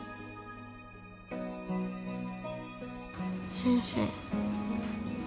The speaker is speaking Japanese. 先生。